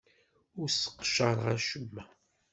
Ur sseqcareɣ acemma.